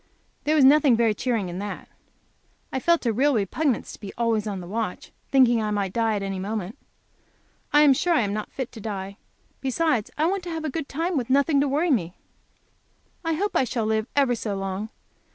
There was nothing very cheering in that. I felt a real repugnance to be always on the watch, thinking I might die at any moment. I am sure I am not fit to die. Besides I want to have a good time, with nothing to worry me. I hope I shall live ever so long.